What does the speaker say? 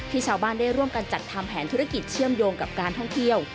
ชาวบ้านได้ร่วมกันจัดทำแผนธุรกิจเชื่อมโยงกับการท่องเที่ยว